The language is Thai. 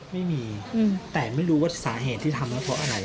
ไม่มีแต่ไม่รู้ว่าสาเหตุที่ทำแล้วเพราะอะไร